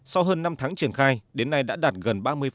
sau hơn năm tháng triển khai đến nay đã đạt gần ba mươi